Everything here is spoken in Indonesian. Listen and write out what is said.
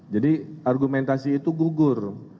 jadi argumentasi itu gugur